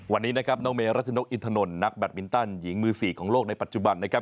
วันนี้นะครับน้องเมรัชนกอินทนนท์นักแบตมินตันหญิงมือ๔ของโลกในปัจจุบันนะครับ